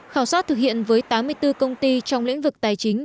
khảo sát thực hiện với tám mươi bốn công ty trong lĩnh vực tài chính